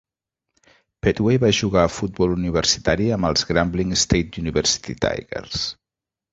Pettway va jugar a futbol universitari amb els Grambling State University Tigers.